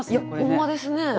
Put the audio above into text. ほんまですね。